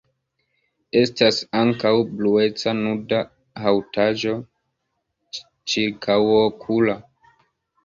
Estas ankaŭ blueca nuda haŭtaĵo ĉirkaŭokula.